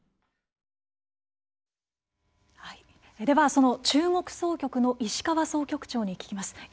ではその中国総局の石川総局長に聞きます。